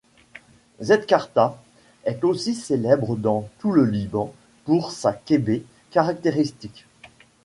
Zgharta est aussi célèbre dans tout le Liban pour sa kebbé caractéristique.